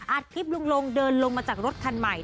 อาทิตย์รุงรงค์เดินลงมาจากรถคันใหม่